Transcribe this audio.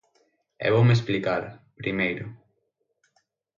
E voume explicar: Primeiro.